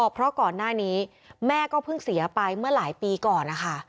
เพราะก่อนหน้านี้แม่ก็เพิ่งเสียไปเมื่อหลายปีก่อนนะคะ